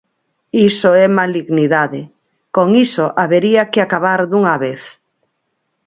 Iso é malignidade, con iso habería que acabar dunha vez.